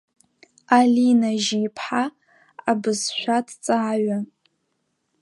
Алина Жьиԥҳа, абызшәаҭҵааҩы.